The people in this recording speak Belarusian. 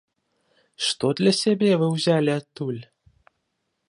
Што для сябе вы ўзялі адтуль?